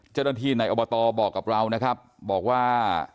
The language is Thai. เจ้าหน้าที่ในอบตบอกกับเรานะครับบอกว่า